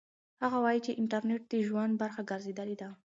هغه وایي چې انټرنيټ د ژوند برخه ګرځېدلې ده.